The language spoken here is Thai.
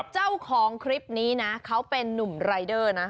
เจ้าของคลิปนี้นะเขาเป็นนุ่มรายเดอร์นะ